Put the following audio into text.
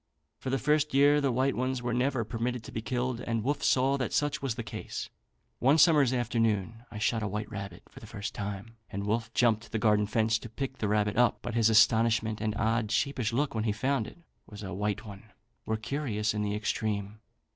For the first year the white ones were never permitted to be killed, and Wolfe saw that such was the case. One summer's afternoon I shot a white rabbit for the first time, and Wolfe jumped the garden fence to pick the rabbit up; but his astonishment and odd sheepish look, when he found it was a white one, were curious in the extreme.